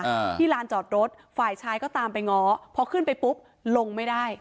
อ่าที่ลานจอดรถฝ่ายชายก็ตามไปง้อพอขึ้นไปปุ๊บลงไม่ได้